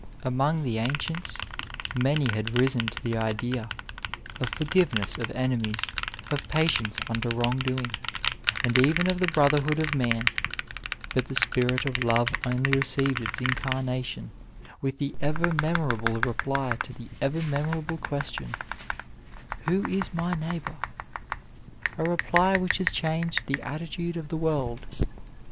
Among the ancients, many had risen to the idea of forgiveness of enemies, of patience under wrong doing, and even of the brotherhood of man ; but the spirit of Love only received its incarna tion with the ever memorable reply to the ever memor able question, Who is my neighbour ?— a reply which has changed the attitude of the world.